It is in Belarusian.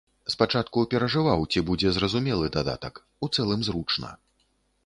Спачатку перажываў, ці будзе зразумелы дадатак, у цэлым зручна.